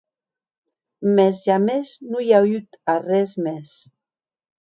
Mès jamès non i a auut arrés mès.